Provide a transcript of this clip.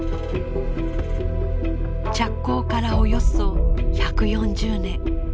着工からおよそ１４０年。